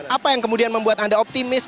apa yang kemudian membuat anda optimis